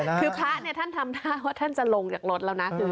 คือพระเนี่ยท่านทำท่าว่าท่านจะลงจากรถแล้วนะ